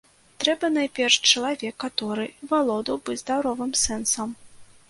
Трэба найперш чалавек, каторы валодаў бы здаровым сэнсам.